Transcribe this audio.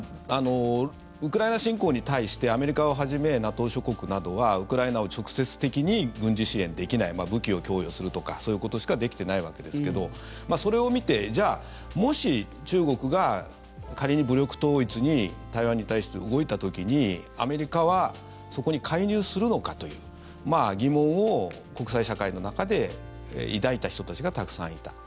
ウクライナ侵攻に対してアメリカをはじめＮＡＴＯ諸国などはウクライナを直接的に軍事支援できない武器を供与するとかそういうことしかできてないわけですけどそれを見てじゃあ、もし中国が仮に武力統一に台湾に対して動いた時にアメリカはそこに介入するのかという疑問を国際社会の中で抱いた人たちがたくさんいた。